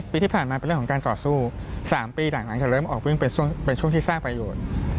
ปีที่ผ่านมาเป็นเรื่องของการต่อสู้๓ปีหลังจากเริ่มออกวิ่งเป็นช่วงที่สร้างประโยชน์